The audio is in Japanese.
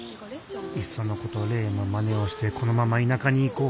いっそのこと玲のまねをしてこのまま田舎に行こう。